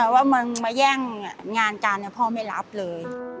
ว่ามึงมาแย่งงานกันพ่อไม่รับเลย